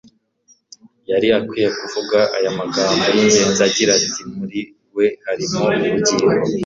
yari akwiye kuvuga aya magambo y'ingenzi agira ati: "Muri we harimo ubugingo,